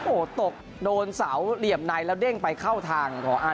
โอ้ตกโดนเสาร์เหลี่ยมไหนและเด้งไปเข้าทาง